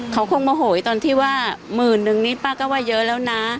เขาคงโมโหยตอนที่ว่าหมื่นนึงนี่ป้าก็ว่าเยอะแล้วนะ